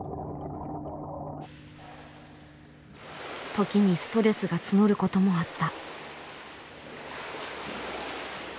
時にストレスが募ることもあった。